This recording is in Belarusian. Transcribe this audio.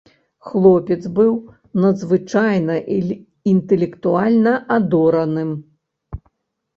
Хлопец быў надзвычайна інтэлектуальна адораным.